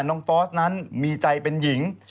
ฟอสนั้นมีใจเป็นหญิง